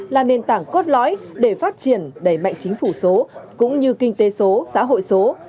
là nền tảng cốt lõi để phát triển đẩy mạnh chính phủ số cũng như kinh tế số xã hội số